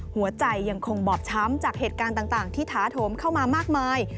หัวใจยังคงบอบช้ำจากเหตุการณ์ต่างที่ท้าโถมเข้ามามากมาย